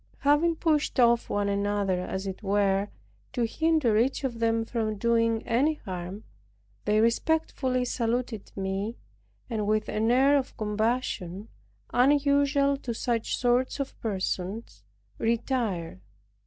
Having pushed off one another, as it were, to hinder each of them from doing any harm; they respectfully saluted me, and, with an air of compassion, unusual to such sorts of persons, retired.